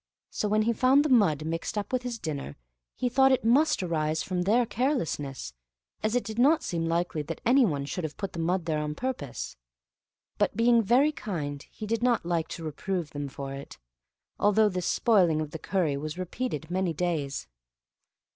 So, when he found the mud mixed up with his dinner, he thought it must arise from their carelessness, as it did not seem likely that anyone should have put mud there on purpose; but being very kind he did not like to reprove them for it, although this spoiling of the curry was repeated many days.